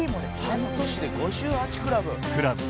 「半年で５８クラブ？」